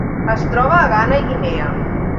Es troba a Ghana i Guinea.